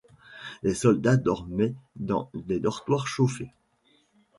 Les soldats dormaient dans des dortoirs chauffés.